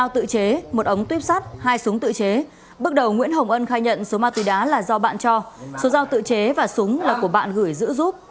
tuyếp sát hai súng tự chế bước đầu nguyễn hồng ân khai nhận số ma túy đá là do bạn cho số dao tự chế và súng là của bạn gửi giữ giúp